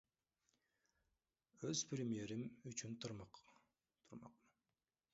Өз премьерим үчүн турмакмын.